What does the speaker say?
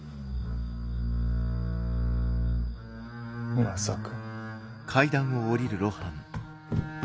まさか。